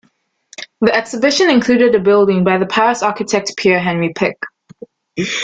The Exhibition included a building by the Paris architect Pierre-Henri Picq.